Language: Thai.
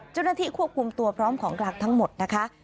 เจ้าหน้าที่ควบคุมตัวพร้อมของกลางทั้งหมดนะคะ